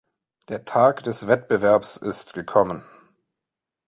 Der Tag des Wettbewerbs ist gekommen.